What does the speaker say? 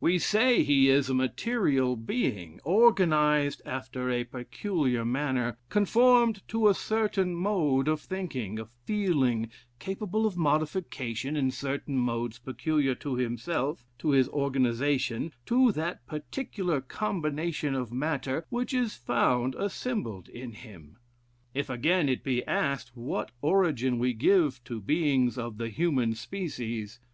"We say he is a material being, organized after a peculiar manner, conformed to a certain mode of thinking, of feeling, capable of modification in certain modes peculiar to himself, to his organization, to that particular combination of matter which is found assembled in him. If again it be asked, What origin we give to beings of the human species?